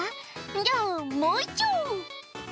「じゃあもういっちょう」